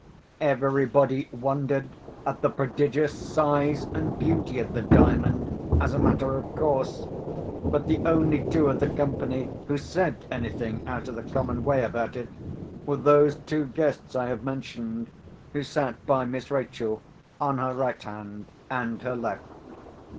Everybody wondered at the prodigious size and beauty of the Diamond, as a matter of course. But the only two of the company who said anything out of the common way about it were those two guests I have mentioned, who sat by Miss Rachel on her right hand and her left.